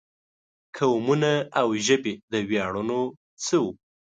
قومونه او ژبې د ویاړونو څه وو.